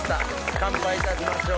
乾杯いたしましょう。